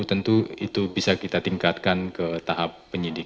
tentu itu bisa kita tingkatkan ke tahap penyidikan